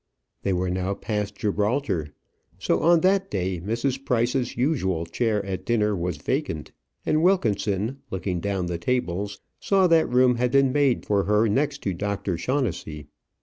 They were now past Gibraltar. So on that day, Mrs. Price's usual chair at dinner was vacant, and Wilkinson, looking down the tables, saw that room had been made for her next to Dr. Shaughnessey.